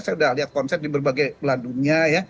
saya sudah lihat konset di berbagai pelandunya ya